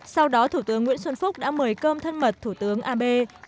sau đó thủ tướng nguyễn xuân phúc đã mời cơm thân mật thủ tướng abe